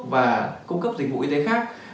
và cung cấp dịch vụ y tế khác